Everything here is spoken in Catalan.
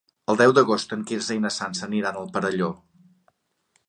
El deu d'agost en Quirze i na Sança aniran al Perelló.